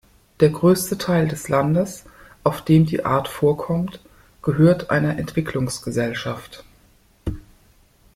Der größte Teil des Landes, auf dem die Art vorkommt, gehört einer Entwicklungsgesellschaft.